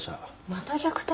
また虐待？